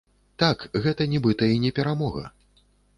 Так, гэта нібыта і не перамога.